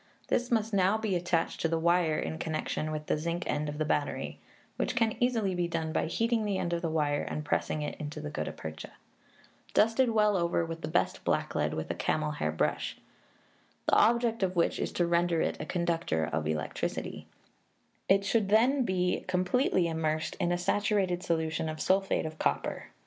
This must now be attached to the wire in connection with the zinc end of the battery (which can easily be done by heating the end of the wire, and pressing it into the gutta percha), dusted well over with the best blacklead with a camel hair brush the object of which is to render it a conductor of electricity; it should then be completely immersed in a saturated solution of sulphate of copper.